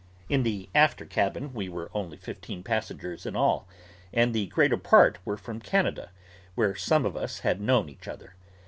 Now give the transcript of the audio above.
In the after cabin we were only fifteen passengers in all, and the greater part were from Canada, where some of us had known each other.